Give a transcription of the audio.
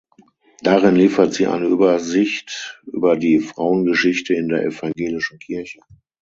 Darin liefert sie eine Übersicht über die Frauengeschichte in der evangelischen Kirche.